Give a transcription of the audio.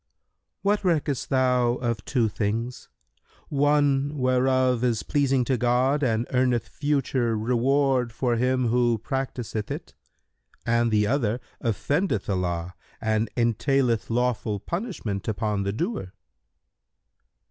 Q "What reckest thou of two things, one whereof is pleasing to God and earneth future reward for him who practiseth it and the other offendeth Allah and entaileth lawful punishment upon the doer?"